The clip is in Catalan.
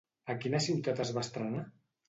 A quina ciutat es va estrenar?